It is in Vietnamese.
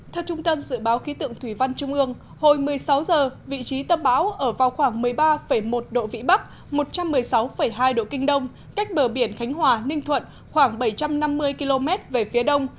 theo trung tâm dự báo khí tượng thủy văn trung ương hồi một mươi sáu h vị trí tâm bão ở vào khoảng một mươi ba một độ vĩ bắc một trăm một mươi sáu hai độ kinh đông cách bờ biển khánh hòa ninh thuận khoảng bảy trăm năm mươi km về phía đông